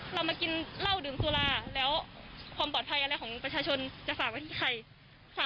เรามากินเหล้าดื่มสุราแล้วความปลอดภัยอะไรของประชาชนจะฝากไว้ที่ใครค่ะ